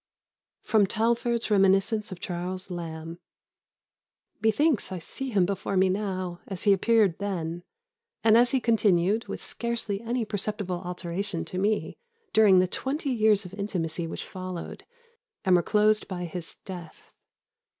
[Sidenote: Talfourd's Reminiscence of Charles Lamb.] "Methinks I see him before me now, as he appeared then, and as he continued with scarcely any perceptible alteration to me, during the twenty years of intimacy which followed, and were closed by his death.